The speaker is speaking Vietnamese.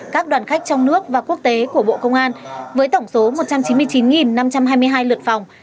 các đoàn khách trong nước và quốc tế của bộ công an với tổng số một trăm chín mươi chín năm trăm hai mươi hai lượt phòng